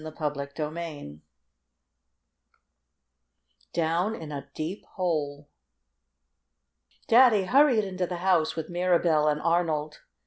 CHAPTER VIII DOWN IN A DEEP HOLE Daddy hurried into the house with Mirabell and Arnold.